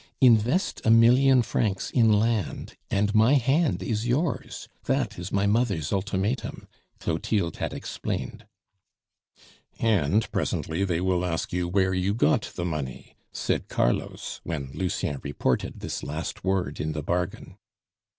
"Invest a million francs in land, and my hand is yours: that is my mother's ultimatum," Clotilde had explained. "And presently they will ask you where you got the money," said Carlos, when Lucien reported this last word in the bargain.